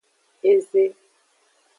Eze.